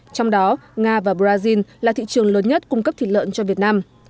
trong đó nga và brazil là thị trường lớn nhất cung cấp thịt lợn cho việt nam